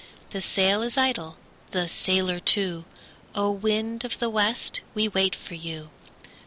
The sail is idle, the sailor too; O! wind of the west, we wait for you.